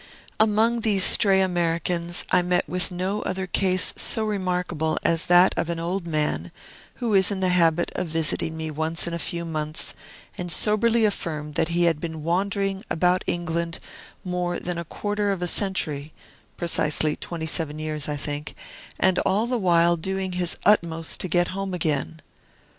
Among these stray Americans, I met with no other case so remarkable as that of an old man, who was in the habit of visiting me once in a few months, and soberly affirmed that he had been wandering about England more than a quarter of a century (precisely twenty seven years, I think), and all the while doing his utmost to get home again.